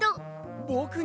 ぼくに？